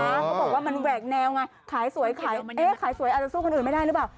เขาบอกว่ามันแหวกแนวไงขายสวยอาจจะสู้คนอื่นไม่ได้หรือเปล่า